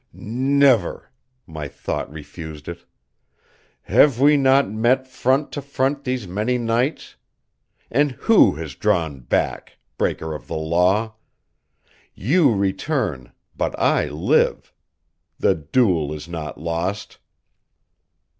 "Never," my thought refused It. "Have we not met front to front these many nights? And who has drawn back, Breaker of the Law? You return, but I live. The duel is not lost."